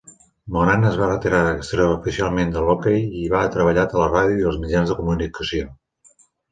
Moran es va retirar extraoficialment de l'hoquei i ha treballat a la ràdio i als mitjans de comunicació.